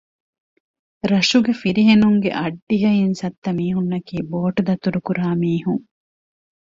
ރަށުގެ ފިރިހެނުންގެ އައްޑިހަ އިން ސައްތަ މީހުންނަކީ ބޯޓްދަތުރުކުރާ މީހުން